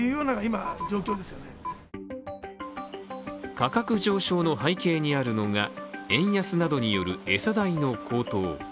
価格上昇の背景にあるのが円安などによる餌代の高騰。